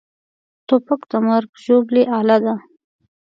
توپک د مرګ ژوبلې اله ده.